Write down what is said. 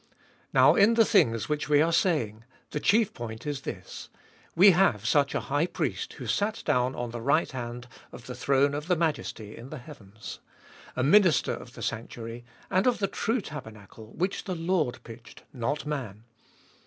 Now In the things which we are saying the chief point is this : We have such a high priest, who sat down on the right hand of the throne of the Majesty in the heavens, 2. A minister of the sanctuary, and of the true tabernacle, which the Lord pitched, not man.